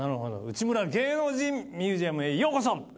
内村芸能人ミュージアムへようこそ！